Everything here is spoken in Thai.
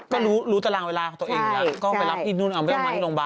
ก็รู้ตารางเวลาของตัวเองก็ไปรับไปต้องรับที่โรงบาล